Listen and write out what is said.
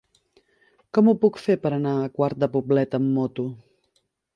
Com ho puc fer per anar a Quart de Poblet amb moto?